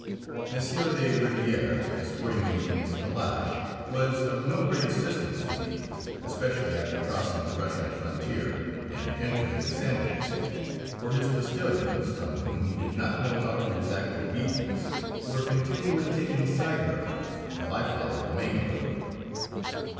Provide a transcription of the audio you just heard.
M. de Rivière, escorting me in his calash, was of no great assistance to me, especially after crossing the Russian frontier and entering the sandy district, for his postilions, from whom he did not know how to exact obedience, were continually taking side roads, while I followed the main road.